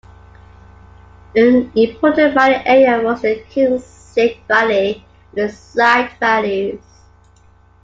An important mining area was the Kinzig valley and its side valleys.